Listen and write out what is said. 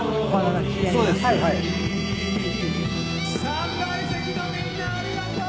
「３階席のみんなありがとう！」